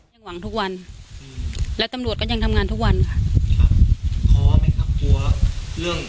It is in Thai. หวังทุกวันและตำรวจก็ยังทำงานทุกวันค่ะ